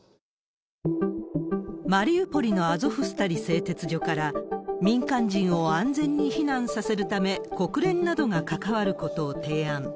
マリウポリのアゾフスタリ製鉄所から、民間人を安全に避難させるため、国連などが関わることを提案。